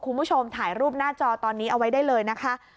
คุณผู้ชมถ่ายรูปหน้าจอตอนนี้เอาไว้ได้เลยนะคะ